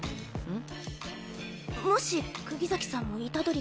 ん？